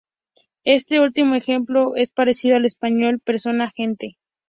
Este último ejemplo es parecido al español: persona; gente.